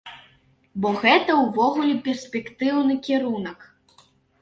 Бо гэта ўвогуле перспектыўны кірунак.